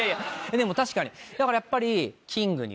でも確かにだからやっぱり。